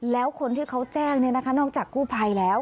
แล้วคนที่เขาแจ้งนอกจากกู้ภัยแล้ว